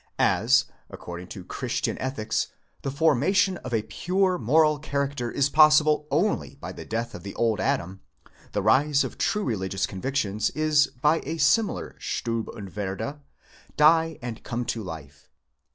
As, according to Christian ethics, the formation of a pure moral character is possible only by the death of the old Adam, the rise of true religious con victions is by a similar St7d und werde, die and come to life.